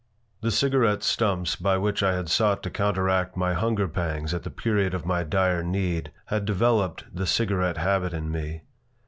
The cigarette stumps by which I had sought to counteract my hunger pangs at the period of my dire need had developed the cigarette habit in me.